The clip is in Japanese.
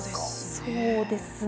そうですね。